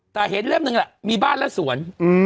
แต่เห็นเล่มหนึ่งแหละมีบ้านและสวน